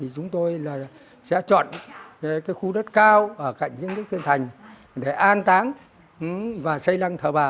bà sẽ chọn cái khu đất cao ở cạnh dương tiên thành để an táng và xây làng thờ bà